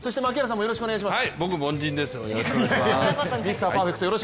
よろしくお願いします。